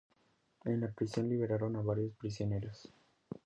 En la prisión liberaron a varios prisioneros.